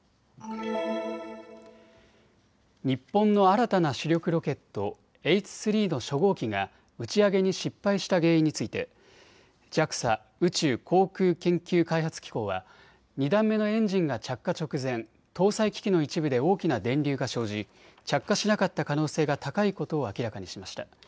日本の新たな主力ロケット、Ｈ３の初号機が打ち上げに失敗した原因についてＪＡＸＡ・宇宙航空研究開発機構は２段目のエンジンが着火直前、搭載機器の一部で大きな電流が生じ着火しなかった可能性が高いことを明らかにしました。